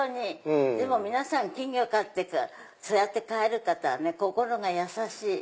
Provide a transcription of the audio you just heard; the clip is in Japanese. でも皆さん金魚そうやって飼える方はね心が優しい。